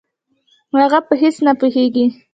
هغه په هېڅ نه پوهېږي.